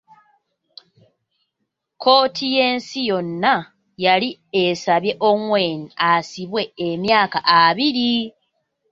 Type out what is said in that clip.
Kkooti y'ensi yonna yali asabye Ongwen asibwe emyaka abiiri.